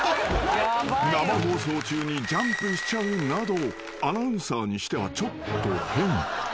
［生放送中にジャンプしちゃうなどアナウンサーにしてはちょっと変］